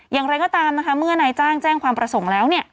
อย่างไรก็ตามนะคะเมื่อนายจ้างแจ้งความประสงค์แล้วเนี่ย